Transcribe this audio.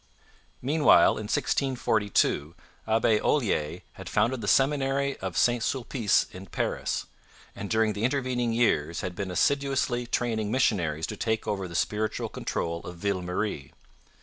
Meanwhile, in 1642, Abbe Olier had founded the Seminary of St Sulpice in Paris; and during the intervening years had been assiduously training missionaries to take over the spiritual control of Ville Marie.